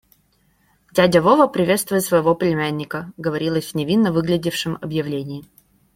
«Дядя Вова приветствует своего племянника», - говорилось в невинно выглядевшем объявлении.